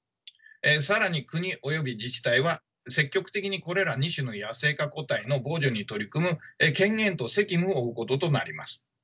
更に国および自治体は積極的にこれら２種の野生化個体の防除に取り組む権限と責務を負うこととなります。